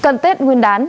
cần tết nguyên đán